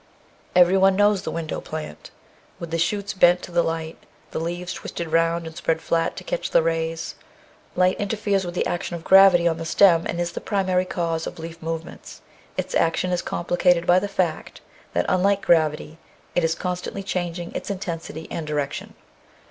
Everyone knows the window plant, with the shoots bent to the light, the leaves twisted round and spread flat to catch the rays. Light interferes with the action of gravity on the stem, and is the primary cause of leaf movements. Its action is compli cated by the fact that, unlike gravity, it is constantly changing its intensity and direction.